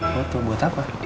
foto buat apa